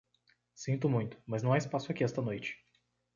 Sinto muito, mas não há espaço aqui esta noite.